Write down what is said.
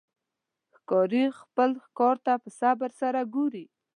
ښکاري خپل ښکار ته په صبر سره ګوري.